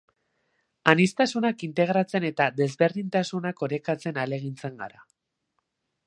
Aniztasunak integratzen eta dezberdintasunak orekatzen ahalengintzen gara.